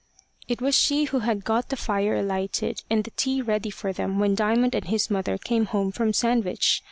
It was she who had got the fire lighted and the tea ready for them when Diamond and his mother came home from Sandwich.